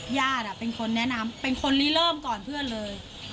ญาติเป็นคนแนะนำเป็นคนรีเริ่มก่อนเพื่อนเลย